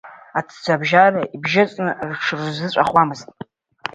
Аҭӡыбжьара ибжьыҵны рҽырзыҵәахуамызт.